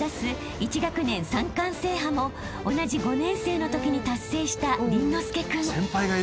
１学年３冠制覇も同じ５年生のときに達成した倫之亮君］